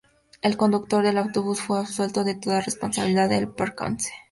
El conductor del autobús fue absuelto de toda responsabilidad del percance.